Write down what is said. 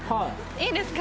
いいですか？